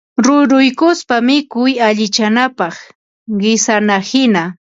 ruyruykuspa mikuy allichanapaq, qisanahina